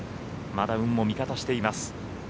まだ運も味方しています。